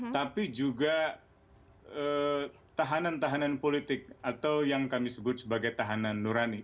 tapi juga tahanan tahanan politik atau yang kami sebut sebagai tahanan nurani